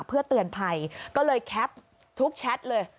เพื่อเตือนภัยก็เลยแคปทุกแชทเลย